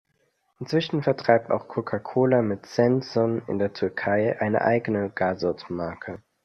Inzwischen vertreibt auch Coca-Cola mit "Sen-Sun" in der Türkei eine eigene Gazoz-Marke.